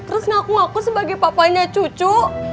terus ngaku ngaku sebagai papannya cucu